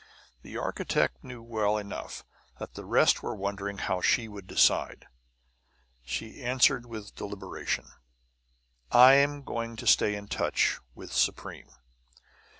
The architect knew well enough that the rest were wondering how she would decide. She answered with deliberation: "I'm going to stay in touch with Supreme!"